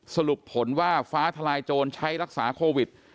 สรุปผลว่าฟ้าทลายโจรใช้รักษาโควิด